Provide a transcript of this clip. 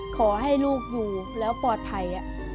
ขอให้ลูกอยู่แล้วปลอดภัย